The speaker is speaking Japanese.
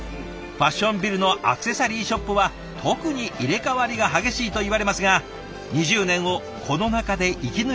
ファッションビルのアクセサリーショップは特に入れ代わりが激しいといわれますが２０年をこの中で生き抜いてきました。